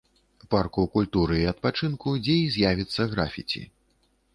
Парку культуры і адпачынку, дзе і з'явіцца графіці.